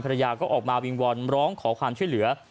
ภรรยาก็ออกมาวิงวอนร้องขอความช่วยเหลือ